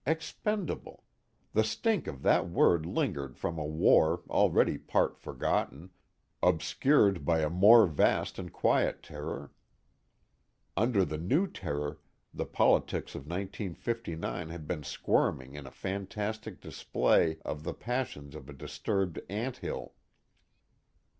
Expendable the stink of that word lingered from a war already part forgotten, obscured by a more vast and quiet terror. Under the new terror the politics of 1959 had been squirming in a fantastic display of the passions of a disturbed ant hill.